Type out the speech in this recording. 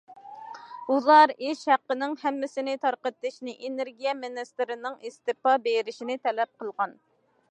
ئۇلار ئىش ھەققىنىڭ ھەممىسىنى تارقىتىشنى، ئېنېرگىيە مىنىستىرىنىڭ ئىستېپا بېرىشىنى تەلەپ قىلغان.